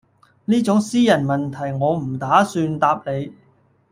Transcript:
呢種私人問題我唔打算答你